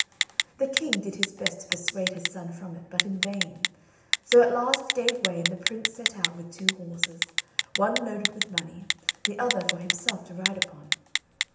The king did his best to persuade his son from it, but in vain; so at last gave way and the prince set out with two horses, one loaded with money, the other for himself to ride upon.